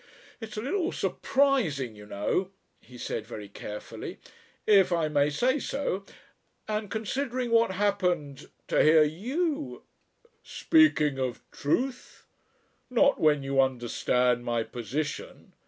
"It's a little surprising, you know," he said very carefully, "if I may say so and considering what happened to hear you ..." "Speaking of truth? Not when you understand my position.